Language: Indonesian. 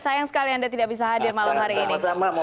sayang sekali anda tidak bisa hadir malam hari ini